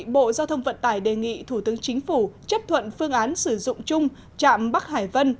bộ giao thông vận tải đề nghị thủ tướng chính phủ chấp thuận phương án sử dụng chung trạm bắc hải vân